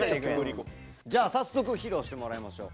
じゃあ早速披露してもらいましょう。